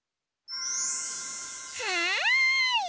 はい！